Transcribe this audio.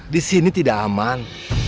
disini tidak aman